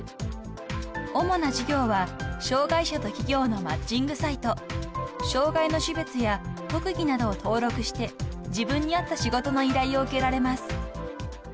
［主な事業は障害者と企業のマッチングサイト］［障害の種別や特技などを登録して自分に合った仕事の依頼を受けられます］